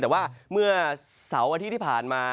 แต่ว่าเมื่อเสาร์อาทิตย์ที่ผ่านมา